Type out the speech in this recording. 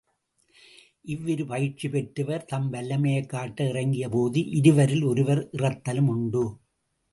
இவ்விரு பயிற்சி பெற்றவர் தம் வல்லமையைக் காட்ட இறங்கிய போது இருவரில் ஒருவர் இறத்தலும் உண்டு.